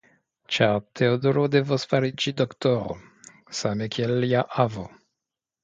Ĉar Teodoro devos fariĝi doktoro, same kiel lia avo.